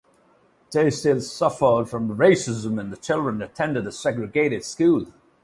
They still suffered from racism and the children attended a segregated school.